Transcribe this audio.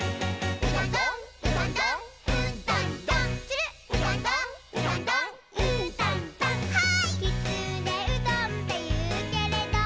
「きつねうどんっていうけれど」